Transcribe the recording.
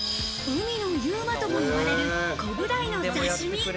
海のＵＭＡともいわれるコブダイの刺身。